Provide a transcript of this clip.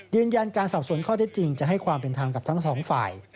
ยืนยันการสอบสวนข้อเท็จจริงจะให้ความเป็นธรรมกับทั้งสองฝ่าย